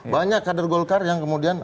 banyak kader golkar yang kemudian